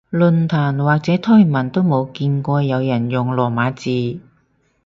論壇或者推文都冇見過有人用羅馬字